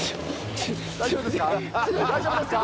大丈夫ですか？